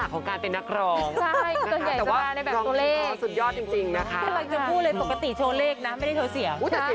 คุณผู้ชมยอดเมื่อกี้แบบนี้